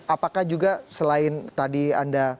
apakah juga selain tadi anda